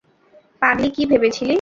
পাগলী, কী ভেবেছিলি?